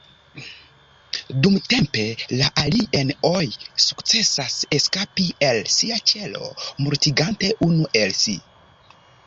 Dumtempe, la "alien-oj" sukcesas eskapi el sia ĉelo, mortigante unu el si.